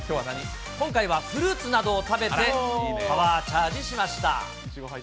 今回はフルーツなどを食べて、パワーチャージしました。